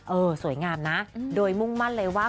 สวยงามนะโดยมุ่งมั่นเลยว่า